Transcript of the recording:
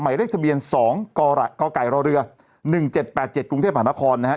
เลขทะเบียน๒กกรเรือ๑๗๘๗กรุงเทพหานครนะฮะ